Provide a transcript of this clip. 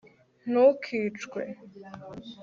ntukicwe